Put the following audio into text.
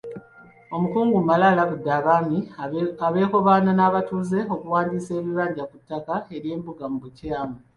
Omukungu Male alabudde Abaami abeekobaana n’abatuuze okuwandiisa ebibanja ku ttaka ly’embuga mu bukyamu.